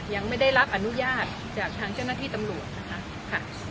ยังไม่ได้รับอนุญาตจากทางเจ้าหน้าที่ตำรวจนะคะ